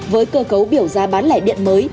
với cơ cấu biểu giá bán lẻ điện mới